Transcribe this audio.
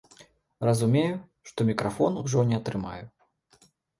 Разумею, што мікрафон ужо не атрымаю.